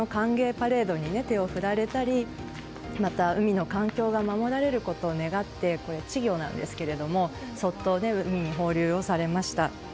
パレードに手を振られたりまた、海の環境が守られることを願ってこれは稚魚なんですけどもそっと海に放流されました。